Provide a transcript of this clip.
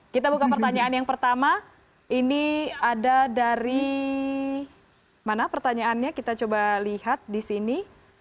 kita buka pertanyaan yang pertama ini ada dari mana pertanyaannya kita coba lihat di sini